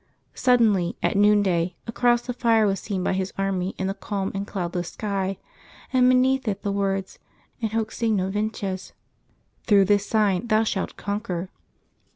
Suddenly, at noonday, a cross of fire was seen by his army in the calm and cloudless sky, and beneath it the words. In hoc signo vinces —" Through this sign thou shalt conquer."